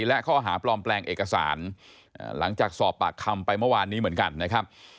และข้อหาปลอมแปลงเอกสารหลังจากสอบปากคำไปเมื่อวานนี้เหมือนกันนะครับ